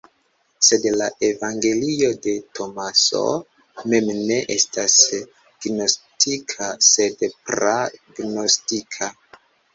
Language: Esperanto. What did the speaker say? Sed la evangelio de Tomaso mem ne estas gnostika sed pra-gnostika.